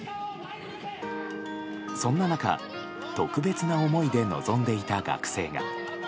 そんな中、特別な思いで臨んでいた学生が。